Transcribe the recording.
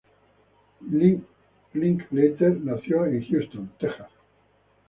Linklater nació en Houston, Texas.